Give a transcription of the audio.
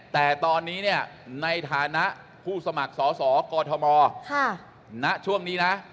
แต่ตอนนี้ในฐานะผู้สมัครสอบกธมช่วงนี้นะ